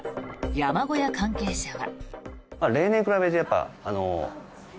山小屋関係者は。